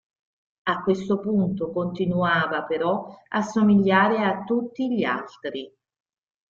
A questo punto, continuava però a somigliare a tutti gli altri.